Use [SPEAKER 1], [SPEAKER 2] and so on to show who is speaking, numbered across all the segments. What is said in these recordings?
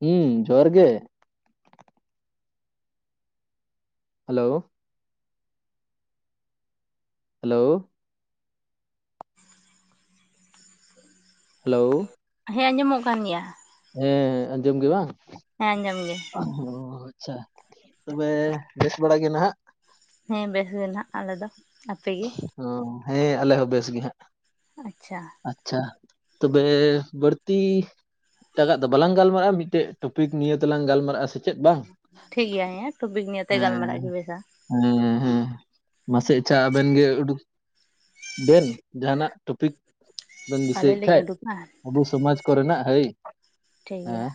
[SPEAKER 1] ᱦᱩᱸ ᱡᱚᱦᱟᱨ ᱜᱮ ᱦᱮᱞᱳ ᱦᱮᱞᱳ
[SPEAKER 2] [unintelligible]
[SPEAKER 1] ᱦᱮᱞᱳ
[SPEAKER 2] ᱦᱮᱸ ᱟᱸᱡᱚᱢ-ᱚᱜ ᱠᱟᱱ ᱜᱮᱭᱟ
[SPEAKER 1] ᱦᱮᱸ ᱟᱸᱡᱚᱢ ᱜᱮ ᱵᱟᱝ?
[SPEAKER 2] ᱦᱮᱸ ᱟᱸᱡᱚᱢ ᱜᱮ᱾
[SPEAKER 1] ᱚᱻ ᱟᱪᱪᱷᱟ ᱛᱚᱵᱮ ᱵᱮᱥ ᱵᱟᱲᱟ ᱜᱮ ᱱᱟᱦᱟᱜ?
[SPEAKER 2] ᱦᱮᱸ ᱵᱮᱥ ᱜᱮ ᱱᱟᱦᱟᱜ ᱟᱞᱮ ᱫᱚ᱾ ᱟᱯᱮ ᱜᱮ?
[SPEAKER 1] ᱚᱻ ᱦᱮᱸ ᱟᱞᱮ ᱦᱚᱸ ᱵᱮᱥ ᱜᱮ ᱦᱟᱸᱜ᱾
[SPEAKER 2] ᱟᱪᱪᱷᱟ᱾
[SPEAKER 1] ᱟᱪᱪᱷᱟ᱾ ᱛᱚᱵᱮ ᱵᱟᱹᱲᱛᱤ ᱮᱴᱟᱜᱼᱟᱜ ᱫᱚ ᱵᱟᱞᱟᱝ ᱜᱟᱞᱢᱟᱨᱟᱜᱼᱟ, ᱢᱤᱫᱴᱮᱜ ᱴᱚᱯᱤᱠ ᱱᱤᱭᱟᱹ ᱛᱮᱞᱟᱝ ᱜᱟᱞᱢᱟᱨᱟᱜᱼᱟ ᱥᱮ ᱪᱮᱫ ᱵᱟᱝ
[SPEAKER 2] ᱴᱷᱤᱠ ᱜᱮᱭᱟ ᱦᱮᱸ ᱴᱚᱯᱤᱠ ᱱᱤᱭᱮ ᱛᱮ ᱜᱟᱞᱢᱟᱨᱟᱜ ᱜᱮ ᱵᱮᱥᱟ᱾
[SPEAKER 1] ᱦᱩᱸ ᱦᱮᱸ ᱢᱟᱥᱮ ᱟᱪᱪᱷᱟ ᱟᱵᱮᱱ ᱜᱮ ᱩᱰᱩᱠ ᱫᱮᱱ ᱡᱟᱦᱟᱸᱱᱟᱜ ᱴᱚᱯᱤᱠ ᱵᱮᱱ ᱫᱤᱥᱟᱹᱭᱼᱮᱜ
[SPEAKER 2] ᱟᱹᱞᱤᱧ ᱞᱤᱧ
[SPEAKER 1] ᱠᱷᱟᱡ?
[SPEAKER 2] ᱩᱰᱩᱠᱟ
[SPEAKER 1] ᱚᱵᱩ ᱥᱚᱢᱟᱡ ᱠᱚ ᱨᱮᱱᱟᱜ ᱦᱟᱹᱭ᱾
[SPEAKER 2] ᱴᱷᱤᱠᱜᱮᱭᱟ,
[SPEAKER 1] ᱦᱮᱸ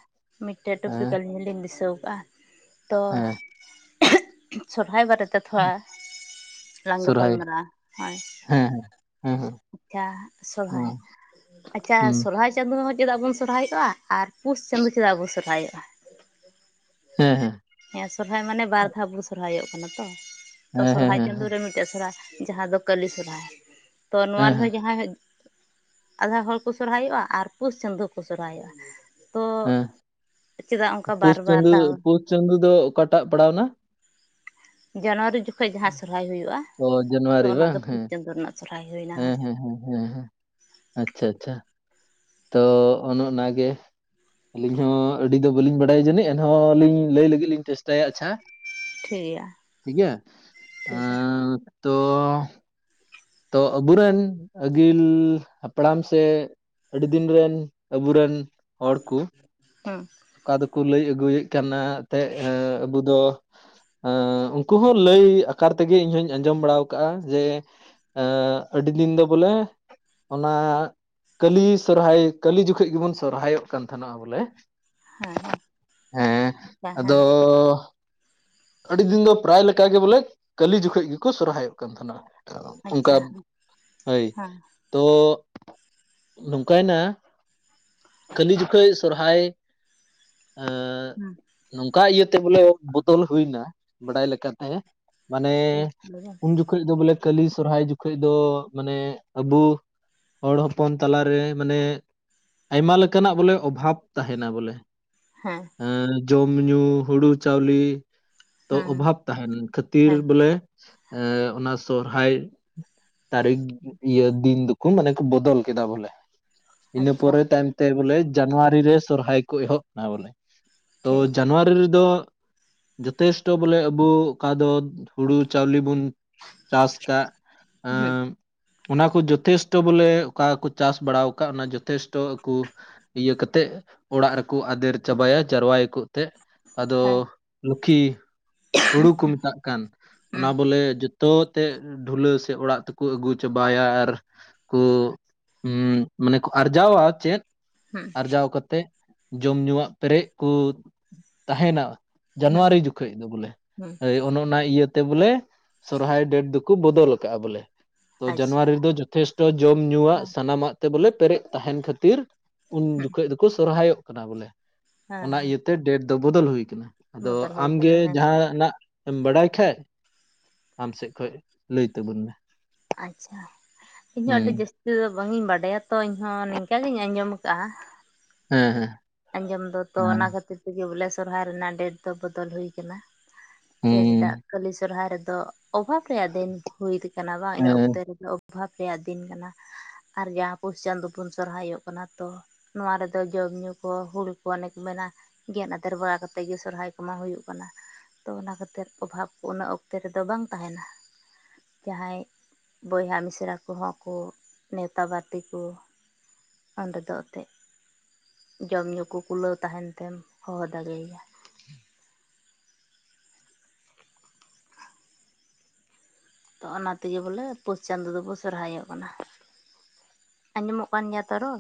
[SPEAKER 2] ᱢᱤᱜᱴᱮᱡ
[SPEAKER 1] ᱦᱮᱸ
[SPEAKER 2] ᱴᱚᱯᱤᱠ ᱟᱞᱤᱧ ᱦᱚᱸ ᱞᱤᱧ ᱫᱤᱥᱟᱹᱣ ᱠᱟᱜᱼᱟ᱾ ᱛᱚ
[SPEAKER 1] ᱦᱮᱸ
[SPEAKER 2] ᱥᱚᱨᱦᱟᱭ ᱵᱟᱨᱮ ᱛᱷᱚᱲᱟ ᱞᱟᱝ
[SPEAKER 1] ᱥᱚᱨᱦᱟᱭ
[SPEAKER 2] ᱜᱟᱯᱟᱞᱢᱟᱨᱟᱜᱼᱟ, ᱦᱳᱭ
[SPEAKER 1] ᱦᱮᱸ ᱦᱮᱸ᱾ ᱦᱮᱸ
[SPEAKER 2] ᱟᱪᱪᱷᱟ ᱥᱚᱨᱦᱟᱭ
[SPEAKER 1] ᱦᱮᱸ
[SPEAKER 2] ᱟᱪᱪᱷᱟ
[SPEAKER 1] ᱦᱮᱸ
[SPEAKER 2] ᱥᱚᱨᱦᱟᱭ ᱪᱟᱸᱫᱳ ᱦᱚᱸ ᱪᱮᱫᱟᱜ ᱵᱚᱱ ᱥᱚᱨᱦᱟᱭᱚᱜᱼᱟ? ᱟᱨ ᱯᱩᱥ ᱪᱟᱸᱫᱚ ᱪᱮᱫᱟᱜ ᱵᱚᱱ ᱥᱚᱨᱦᱟᱭᱚᱜᱼᱟ?
[SPEAKER 1] ᱦᱮᱸ ᱦᱮᱸ,
[SPEAKER 2] ᱦᱮᱸ ᱥᱚᱨᱦᱟᱭ ᱢᱟᱱᱮ ᱵᱟᱨ ᱫᱷᱟᱣ ᱵᱚ ᱥᱚᱨᱦᱟᱭᱚᱜ ᱠᱟᱱᱟ ᱛᱚ᱾ ᱛᱚ
[SPEAKER 1] ᱦᱮᱸ ᱦᱮᱸ ᱦᱮᱸ
[SPEAKER 2] ᱥᱚᱨᱦᱟᱭ
[SPEAKER 1] ᱦᱮᱸ
[SPEAKER 2] ᱪᱟᱸᱫᱳ ᱨᱮ ᱢᱤᱫᱴᱮᱡ ᱥᱚᱨᱦᱟᱭ ᱡᱟᱦᱟᱸ ᱫᱚ ᱠᱟᱹᱞᱤ ᱥᱚᱨᱦᱟᱭ᱾ ᱛᱚ ᱱᱚᱣᱟ
[SPEAKER 1] ᱦᱮᱸ ᱦᱮᱸ
[SPEAKER 2] ᱨᱮᱦᱚᱸ ᱡᱟᱦᱟᱸᱭ, ᱟᱫᱷᱟ ᱦᱚᱲ ᱠᱚ ᱥᱚᱨᱦᱟᱭᱚᱜᱼᱟ᱾ ᱟᱨ ᱯᱩᱥ ᱪᱟᱸᱫᱳ ᱦᱚ ᱠᱚ ᱥᱚᱨᱦᱟᱭᱚᱜᱼᱟ᱾ ᱛᱚ
[SPEAKER 1] ᱦᱮᱸ
[SPEAKER 2] ᱪᱮᱫᱟᱜ ᱚᱱᱠᱟ ᱵᱟᱨ ᱵᱟᱨ ᱫᱷᱟᱣ?
[SPEAKER 1] ᱪᱟᱸᱫᱩ ᱫᱚ ᱚᱠᱟᱴᱟᱜ ᱯᱟᱲᱟᱣ ᱱᱟ?
[SPEAKER 2] ᱡᱟᱱᱩᱣᱟᱨᱤ ᱡᱚᱠᱷᱚᱴᱟᱡ ᱡᱟᱦᱟᱸ ᱥᱚᱨᱦᱟᱭ ᱦᱩᱭᱩᱜᱼᱟ,
[SPEAKER 1] ᱚ
[SPEAKER 2] ᱛᱚ
[SPEAKER 1] ᱡᱟᱱᱩᱣᱟᱨᱤ
[SPEAKER 2] ᱚᱱᱟ
[SPEAKER 1] ᱵᱟᱝ?
[SPEAKER 2] ᱫᱚ ᱯᱩᱥ
[SPEAKER 1] ᱦᱮᱸ,
[SPEAKER 2] ᱪᱟᱸᱫᱳ ᱨᱮᱱᱟᱜ᱾ ᱥᱚᱨᱦᱟᱭ ᱦᱩᱭᱱᱟ
[SPEAKER 1] ᱦᱮᱸ
[SPEAKER 2] ᱦᱳᱭ
[SPEAKER 1] ᱦᱮᱸ ᱦᱮᱸ ᱦᱮᱸ ᱦᱮᱸ ᱟᱪᱪᱷᱟ ᱟᱪᱪᱷᱟ ᱛᱚ ᱚᱱᱮ ᱚᱱᱟᱜᱮ, ᱟᱹᱞᱤᱧ ᱦᱚᱸ ᱟᱹᱰᱤ ᱫᱚ ᱵᱟᱹᱞᱤᱧ ᱵᱟᱰᱟᱭᱟ ᱡᱟᱹᱱᱤᱡ ᱮᱱᱦᱚᱸ ᱞᱤᱧ ᱞᱟᱹᱭ ᱞᱟᱹᱜᱤᱫ ᱞᱤᱧ ᱪᱮᱥᱴᱟᱭᱟ ᱟᱪᱪᱷᱟ᱾
[SPEAKER 2] ᱴᱷᱤᱠ ᱜᱮᱭᱟ
[SPEAKER 1] ᱴᱷᱤᱠ ᱜᱮᱭᱟ, ᱟᱻ
[SPEAKER 2] ᱴᱷᱤᱠ ᱜᱮᱭᱟ
[SPEAKER 1] ᱛᱚ ᱛᱚ ᱟᱵᱩ ᱨᱮᱱ ᱟᱹᱜᱤᱞ ᱦᱟᱯᱲᱟᱢ ᱥᱮ ᱟᱹᱰᱤ ᱫᱤᱱ ᱨᱮᱱ ᱟᱵᱩ ᱨᱮᱱ,
[SPEAKER 2] ᱦᱮᱸ᱾
[SPEAKER 1] ᱚᱠᱟ ᱫᱚᱠᱚ ᱞᱟᱹᱭ ᱟᱹᱜᱩᱭᱮᱫ ᱠᱟᱱᱟ ᱮᱱᱛ ᱟᱵᱩ ᱫᱚ, ᱩᱱᱠᱩ ᱦᱚᱸ ᱞᱟᱹᱭ ᱟᱠᱟᱨ ᱛᱮᱜᱮ ᱤᱧᱦᱚᱧ ᱟᱸᱡᱚᱢ ᱵᱟᱲᱟ ᱠᱟᱜᱼᱟ᱾ ᱡᱮ ᱮᱸᱜ ᱟᱹᱰᱤ ᱫᱤᱱ ᱫᱚ ᱵᱚᱞᱮ, ᱚᱱᱟ ᱠᱟᱹᱞᱤ ᱥᱚᱨᱦᱟᱭ ᱠᱟᱹᱞᱤ ᱡᱚᱠᱷᱮᱡ ᱜᱮᱵᱚᱱ ᱥᱚᱨᱦᱟᱭᱚᱜ ᱠᱟᱱ ᱛᱟᱦᱮ ᱱᱚᱜᱼᱟ ᱵᱚᱞᱮ᱾
[SPEAKER 2] ᱦᱮᱸ ᱦᱮᱸ᱾
[SPEAKER 1] ᱦᱮᱸ
[SPEAKER 2] ᱦᱮᱸ
[SPEAKER 1] ᱟᱫᱚᱻ ᱟᱹᱰᱤ ᱫᱤᱱ ᱫᱚ ᱯᱨᱟᱭ ᱞᱮᱠᱟ ᱜᱮ ᱵᱚᱞᱮ ᱠᱟᱹᱞᱤ ᱡᱚᱠᱷᱚᱡ ᱜᱮᱠᱚ ᱥᱚᱨᱦᱟᱭᱚᱜ ᱠᱟᱱ ᱛᱟᱦᱮᱱᱟ᱾ ᱚᱱᱠᱟ
[SPEAKER 2] ᱟᱪᱪᱷᱟ
[SPEAKER 1] ᱦᱳᱭ
[SPEAKER 2] ᱦᱮᱸ
[SPEAKER 1] ᱛᱚ, ᱱᱚᱝᱠᱟᱭᱱᱟ ᱠᱷᱟᱹᱞᱤ ᱡᱚᱠᱷᱮᱡ ᱥᱚᱨᱦᱟᱭ ᱮᱻ
[SPEAKER 2] ᱦᱮᱸ
[SPEAKER 1] ᱱᱚᱝᱠᱟ ᱤᱭᱟᱹᱛᱮ ᱵᱚᱞᱮ ᱵᱚᱫᱚᱞ ᱦᱩᱭᱱᱟ ᱵᱟᱰᱟᱭ ᱞᱮᱠᱟ ᱛᱮ, ᱢᱟᱱᱮ
[SPEAKER 2] ᱦᱮᱸ
[SPEAKER 1] ᱩᱱ ᱡᱚᱠᱷᱚᱡ ᱫᱚ ᱵᱚᱞᱮ ᱠᱟᱹᱞᱤ ᱥᱚᱨᱦᱟᱭ ᱡᱚᱠᱷᱚᱡ ᱫᱚ ᱢᱟᱱᱮ ᱟᱵᱩ ᱦᱚᱲ ᱦᱚᱯᱚᱱ ᱛᱟᱞᱟ ᱨᱮ ᱢᱟᱱᱮ, ᱟᱭᱢᱟ ᱞᱮᱠᱟᱱᱟᱜ ᱵᱚᱞᱮ ᱚᱵᱷᱟᱵᱽ ᱛᱟᱦᱮᱱᱟ ᱵᱚᱞᱮ,
[SPEAKER 2] ᱦᱮᱸ᱾
[SPEAKER 1] ᱦᱮᱸ ᱡᱚᱢ ᱧᱩ ᱦᱩᱲᱩ ᱪᱟᱣᱞᱤ ᱛᱚ
[SPEAKER 2] ᱦᱮᱸ
[SPEAKER 1] ᱚᱵᱷᱟᱵ ᱛᱟᱦᱮᱱ ᱠᱷᱟᱹᱛᱤᱨ
[SPEAKER 2] ᱦᱮᱸ
[SPEAKER 1] ᱵᱚᱞᱮ ᱮᱻ ᱚᱱᱟ ᱥᱚᱨᱦᱟᱭ ᱛᱟᱨᱤᱠᱷ ᱤᱭᱟᱹ ᱫᱤᱱ ᱫᱚᱠᱚ ᱢᱟᱱᱮ ᱠᱚ ᱵᱚᱫᱚᱞ ᱠᱮᱫᱟ ᱵᱚᱞᱮ᱾ ᱤᱱᱟᱹ
[SPEAKER 2] ᱟᱪᱪᱷᱟ
[SPEAKER 1] ᱯᱚᱨᱮ ᱛᱟᱭᱚᱢᱛᱮ ᱵᱚᱞᱮ ᱡᱟᱱᱩᱣᱟᱨᱤ ᱨᱮ ᱥᱚᱨᱦᱟᱭ ᱠᱚ ᱮᱦᱚᱵ, ᱦ ᱵᱚᱞᱮ ᱛᱚ
[SPEAKER 2] ᱴᱷᱤᱠ ᱦᱮᱸ
[SPEAKER 1] ᱡᱟᱱᱩᱣᱟᱨᱤ ᱨᱮᱫᱚ ᱡᱚᱛᱷᱮᱥᱴᱚ ᱵᱚᱞᱮ ᱟᱵᱚ ᱚᱠᱟ ᱫᱚ ᱦᱩᱲᱩ ᱪᱟᱣᱞᱮ ᱵᱚᱱ ᱪᱟᱥᱠᱟᱜ
[SPEAKER 2] ᱦᱮᱸ
[SPEAKER 1] ᱟᱸ ᱚᱱᱟ ᱠᱚ ᱡᱚᱛᱷᱮᱥᱴᱚ ᱵᱚᱞᱮ ᱚᱠᱟ ᱠᱚ ᱪᱟᱥ ᱵᱟᱲᱟ ᱟᱠᱟᱫ ᱚᱱᱟ ᱡᱚᱛᱷᱮᱥᱴᱚ ᱟᱠᱩ ᱤᱭᱟᱹ ᱠᱟᱛᱮᱫ ᱚᱲᱟᱜ ᱨᱮᱠᱚ ᱟᱫᱮᱨ ᱪᱟᱵᱟᱭᱟ ᱡᱟᱨᱣᱟᱭ ᱮᱛᱮᱫ ᱟᱫᱚ
[SPEAKER 2] ᱦᱮᱸ
[SPEAKER 1] ᱞᱩᱠᱷᱤ ᱦᱩᱲᱩ ᱠᱩ ᱢᱮᱛᱟᱜ ᱠᱟᱱ ᱚᱱᱟ
[SPEAKER 2] ᱦᱮᱸ ᱦᱮᱸ
[SPEAKER 1] ᱵᱚᱞᱮ ᱡᱚᱛᱚ ᱛᱮ ᱰᱷᱩᱞᱟᱹ ᱥᱮ ᱚᱲᱟᱜ ᱛᱮᱠᱚ ᱟᱹᱜᱩ ᱪᱟᱵᱟᱭᱟ ᱟᱨ ᱠᱚ ᱩᱸ ᱢᱟᱱᱮ ᱠᱚ ᱟᱨᱡᱟᱣᱟ ᱪᱮᱫ ᱟᱨᱡᱟᱣ ᱠᱟᱛᱮᱫ ᱡᱚᱢ ᱧᱩᱣᱟᱜ ᱯᱮᱨᱮᱡ ᱠᱚ ᱛᱟᱦᱮᱱᱟ
[SPEAKER 2] ᱦᱮᱸ
[SPEAKER 1] ᱡᱟᱱᱩᱣᱟᱨᱤ ᱡᱚᱠᱷᱚᱡ ᱫᱚ ᱵᱚᱞᱮ ᱚᱱᱮ ᱚᱱᱟ ᱤᱭᱟᱹᱛᱮ ᱵᱚᱞᱮ ᱥᱚᱨᱦᱟᱭ ᱰᱮᱴ ᱫᱚᱠᱚ ᱵᱚᱫᱚᱞ ᱟᱠᱟᱜᱼᱟ ᱵᱚᱞᱮ ᱛᱚ
[SPEAKER 2] ᱟᱪᱪᱷᱟ
[SPEAKER 1] ᱡᱟᱱᱩᱣᱟᱨᱤ ᱨᱮᱫᱚ ᱡᱚᱛᱷᱮᱥᱴᱚ ᱡᱚᱢ ᱧᱩᱣᱟᱜ
[SPEAKER 2] ᱦᱮᱸ
[SPEAKER 1] ᱥᱟᱱᱟᱢᱟᱜ ᱛᱮ ᱵᱚᱞᱮ ᱯᱮᱨᱮᱡ ᱛᱟᱦᱮᱱ ᱠᱷᱟᱹᱛᱤᱨ ᱩᱱ
[SPEAKER 2] ᱦᱮᱸ
[SPEAKER 1] ᱡᱚᱠᱷᱚᱱ ᱫᱚᱠᱚ ᱥᱚᱨᱦᱟᱭᱚᱜ ᱠᱟᱱᱟ ᱵᱚᱞᱮ ᱚᱱᱟ
[SPEAKER 2] ᱦᱮᱸ
[SPEAKER 1] ᱤᱭᱟᱹᱛᱮ ᱰᱮᱴ ᱫᱚ ᱵᱚᱫᱚᱞ ᱦᱩᱭ ᱟᱠᱟᱱᱟ ᱟᱫᱚ
[SPEAKER 2] ᱵᱚᱫᱚᱞ ᱦᱩᱭ
[SPEAKER 1] ᱟᱢᱜᱮ
[SPEAKER 2] ᱠᱟᱱᱟ ᱦᱮᱸ
[SPEAKER 1] ᱡᱟᱦᱟᱱᱟᱜ ᱮᱢ ᱵᱟᱲᱟᱭ ᱠᱷᱟᱡ ᱟᱢ ᱥᱮᱫ ᱠᱷᱚᱡ ᱞᱟᱹᱭ ᱛᱟᱵᱚᱱ ᱢᱮ
[SPEAKER 2] ᱟᱪᱪᱷᱟ ᱤᱧ ᱦᱚᱸ ᱟᱹᱰᱤ
[SPEAKER 1] ᱦᱩᱸ
[SPEAKER 2] ᱡᱟᱹᱥᱛᱤ ᱵᱟᱝ ᱤᱧ ᱵᱟᱰᱟᱭᱟ ᱛᱚ ᱤᱧᱦᱚᱸ ᱱᱤᱝᱠᱟᱜ ᱜᱮᱧ ᱟᱸᱡᱚᱢ ᱟᱠᱟᱫᱼᱟ
[SPEAKER 1] ᱦᱮᱸ ᱦᱮᱸ
[SPEAKER 2] ᱟᱸᱡᱚᱢ ᱫᱚ ᱛᱚ
[SPEAKER 1] ᱦᱮᱸ
[SPEAKER 2] ᱚᱱᱟ ᱠᱷᱟᱹᱛᱤᱨ ᱛᱮᱜᱮ ᱵᱚᱞᱮ ᱥᱚᱨᱦᱟᱭ ᱨᱮᱱᱟᱜ ᱰᱮᱴ ᱫᱚ ᱵᱚᱫᱚᱞ ᱦᱩᱭ ᱟᱠᱟᱱᱟ ᱪᱮ ᱪᱮᱫᱟᱜ
[SPEAKER 1] ᱦᱩᱸ
[SPEAKER 2] ᱠᱷᱟᱹᱞᱤ ᱥᱚᱨᱦᱟᱭ ᱨᱮᱫᱚ ᱚᱵᱷᱟᱵ ᱨᱮᱭᱟᱜ ᱫᱤᱱ ᱦᱩᱭ ᱠᱟᱱᱟ ᱵᱟᱝ ᱤᱱᱟᱹ
[SPEAKER 1] ᱦᱮᱸ
[SPEAKER 2] ᱚᱠᱛᱮ ᱨᱮᱫᱚ ᱚᱵᱷᱟᱵ ᱨᱮᱭᱟᱜ ᱫᱤᱱ ᱠᱟᱱᱟ ᱟᱨ ᱡᱟᱦᱟᱸ ᱯᱩᱥ ᱪᱟᱸᱫᱚ ᱵᱩᱱ ᱥᱚᱨᱦᱟᱭᱚᱜ ᱠᱟᱱᱟ ᱛᱚ ᱱᱚᱣᱟ ᱨᱮᱫᱚ ᱡᱚᱢ ᱧᱩ ᱠᱚ ᱦᱩᱲᱩ ᱠᱚ ᱚᱱᱮᱠ ᱠᱚ ᱢᱮᱱᱟ ᱜᱮᱫ ᱟᱫᱮᱨ ᱵᱟᱲᱟ ᱠᱟᱛᱮᱫ ᱜᱮ ᱥᱚᱨᱦᱟᱭ ᱠᱚᱢᱟ ᱦᱩᱭᱩᱜ ᱠᱟᱱᱟ ᱛᱚ ᱚᱱᱟ ᱠᱷᱟᱹᱛᱤᱨ ᱚᱵᱷᱟᱵᱽ ᱩᱱᱟᱹ ᱚᱠᱛᱮ ᱨᱮᱫᱚ ᱵᱟᱝ ᱛᱟᱦᱮᱱᱟ ᱡᱟᱦᱟᱸᱭ ᱵᱚᱭᱦᱟ ᱢᱤᱥᱨᱟ ᱠᱚᱦᱚᱸ ᱠᱚ ᱱᱮᱣᱛᱟ ᱵᱟᱨᱛᱮ ᱠᱚ ᱚᱸᱰᱮ ᱫᱚ ᱮᱛᱮᱫ ᱡᱚᱢ ᱧᱩ ᱠᱚ ᱠᱩᱞᱟᱹᱣ ᱛᱟᱦᱮᱱ ᱛᱮᱢ ᱦᱚᱦᱚ ᱫᱟᱲᱮ ᱟᱭᱟ ᱛᱚ ᱚᱱᱟ ᱛᱮᱜᱮ ᱵᱚᱞᱮ ᱯᱩᱥ ᱪᱟᱸᱫᱚ ᱫᱚᱵᱚ ᱥᱚᱨᱦᱟᱭᱚᱜ ᱠᱟᱱᱟ ᱟᱸᱡᱚᱢᱚᱜ ᱠᱟᱱ ᱜᱮᱭᱟ ᱛᱚ ᱨᱚᱲ